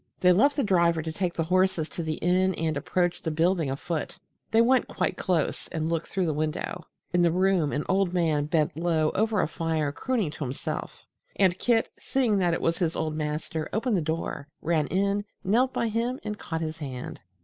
They left the driver to take the horses to the inn and approached the building afoot. They went quite close and looked through the window. In the room an old man bent low over a fire crooning to himself, and Kit, seeing that it was his old master, opened the door, ran in, knelt by him and caught his hand.